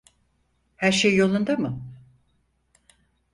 Her sey yolunda mi?